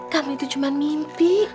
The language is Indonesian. kami itu cuma mimpi